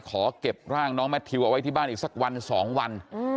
ขอเก็บร่างน้องแมททิวเอาไว้ที่บ้านอีกสักวัน๒วัน